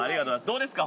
どうですか？